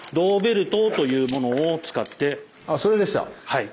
はい。